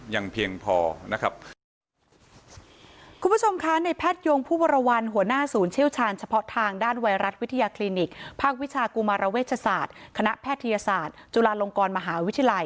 ยังเพียงพอนะครับ